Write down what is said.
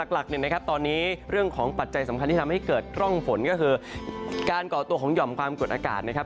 หลักเนี่ยนะครับตอนนี้เรื่องของปัจจัยสำคัญที่ทำให้เกิดร่องฝนก็คือการก่อตัวของหย่อมความกดอากาศนะครับ